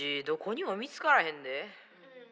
どこにも見つからへんで。